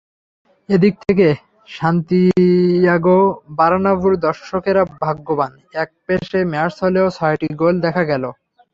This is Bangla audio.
এদিক থেকে সান্তিয়াগো বার্নাব্যুর দর্শকেরা ভাগ্যবান, একপেশে ম্যাচ হলেও ছয়টি গোল দেখা গেল।